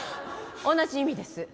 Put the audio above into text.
同じ意味です。